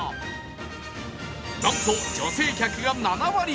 なんと女性客が７割！